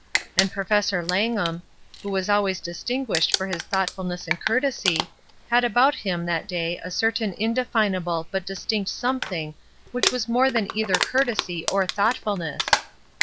And Professor Lang ham, who was always distinguished for his thoughtfulness and courtesy, had about him that day a certain indefinable but distinct something which was more than either courtesy or thoughtfulness.